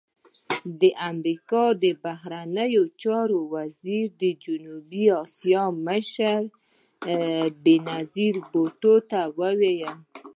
د امریکا د بهرنیو چارو وزارت د جنوبي اسیا مشر بېنظیر بوټو ته وویل